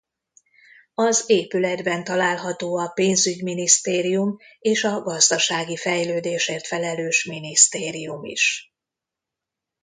Az épületben található a pénzügyminisztérium és a gazdasági fejlődésért felelős minisztérium is.